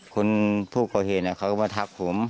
คนผู้ก่อเหตุเขาก็มาทักผม